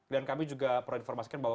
dan kami juga perlu informasikan bahwa